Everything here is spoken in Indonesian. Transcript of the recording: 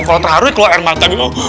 kalau terharu keluar air mata dulu